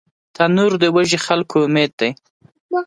تنور د وږي خلکو امید دی